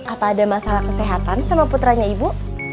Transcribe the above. apa ada masalah kesehatan sama putranya ibu